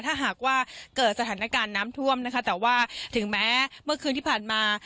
ถ้าหากว่าเกิดสถานการณ์น้ำท่วมนะคะแต่ว่าถึงแม้เมื่อคืนที่ผ่านมา